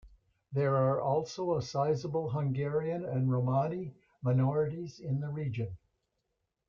There are also a sizable Hungarian and Romani minorities in the region.